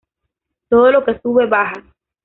Todo lo que sube, baja